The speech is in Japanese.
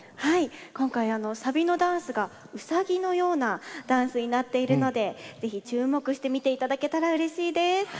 今回サビのダンスがうさぎのようなダンスになっているのでぜひ注目して見て頂けたらうれしいです。